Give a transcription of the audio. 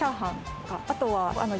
あとは。